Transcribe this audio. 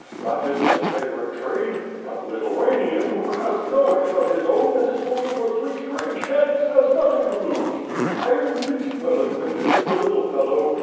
That is his favorite trade. That Lithu anian, who has no head of his own and is looking for three strange heads, has nothing to lose. I am least well acquainted with the little fellow.